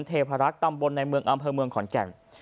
เทพรักษ์ตำบลในเมืองอำเภอเมืองขอนแก่น